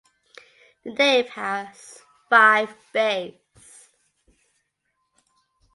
The nave has five bays.